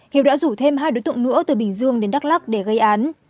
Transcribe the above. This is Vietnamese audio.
hiếu đã rủ thêm hai đối tượng nữa từ bình dương đến đắk lắc để gây án